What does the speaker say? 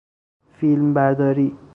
فیلم برداری